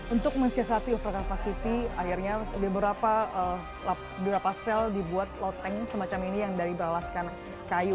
untuk mensiasati over capacity akhirnya beberapa sel dibuat loteng semacam ini yang dari beralaskan kayu